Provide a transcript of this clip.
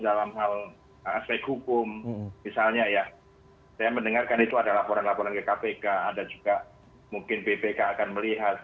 dan kalau itu dilakukan lagi dengan aspek hukum misalnya ya saya mendengarkan itu ada laporan laporan ke kpk ada juga mungkin ppk akan melihat